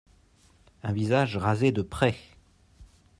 Un visage rasé de près.